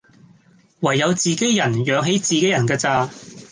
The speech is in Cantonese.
唯有自己人養起自己人架咋